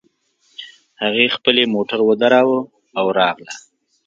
هغې خپلې موټر ودراوو او راغله